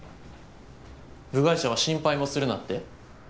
部外者は心配もするなって？